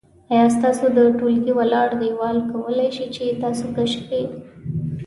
آیا ستاسو د ټولګي ولاړ دیوال کولی شي چې تاسو کش کړي؟